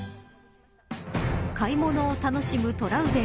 買い物を楽しむトラウデン。